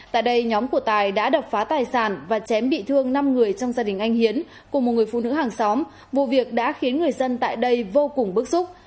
tại đây nhóm của tài đã đập phá tài sản và chém bị thương năm người trong gia đình anh hiến của một người phụ nữ hàng xóm vụ việc đã khiến người dân tại đây vô cùng bức xúc